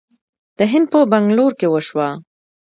د هند په بنګلور کې وشوه